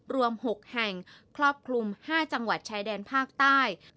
รวม๖แห่งครอบคลุม๕จังหวัดชายแดนภาคใต้